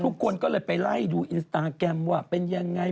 ทุกคนก็เลยไปไล่ดูอินสตาแกรมว่าเป็นยังไง